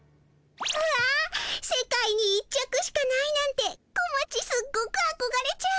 うわ世界に一着しかないなんてこまちすっごくあこがれちゃう。